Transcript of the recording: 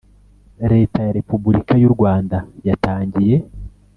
leta ya repubulika y u rwanda yatangiye